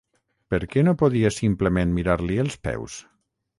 Per què no podies simplement mirar-li els peus?